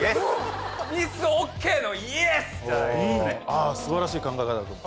あぁ素晴らしい考え方だと思う。